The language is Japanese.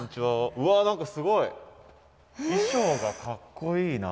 うわ何かすごい！衣装がかっこいいな。